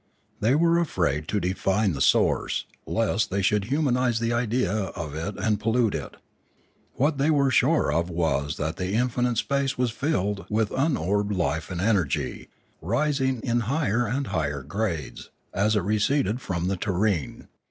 They were afraid to define the source, lest they should humanise the idea of it and pollute it. What they were sure of was that infinite space was filled with unorbed life and energy, rising in higher and higher grades, as it receded from the terrene.